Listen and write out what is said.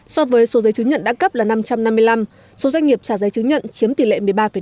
so với số giấy chứng nhận đã cấp là năm trăm năm mươi năm số doanh nghiệp trả giấy chứng nhận chiếm tỷ lệ một mươi ba năm